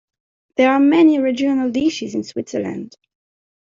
There are many regional dishes in Switzerland.